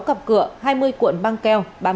sáu cặp cửa hai mươi cuộn băng keo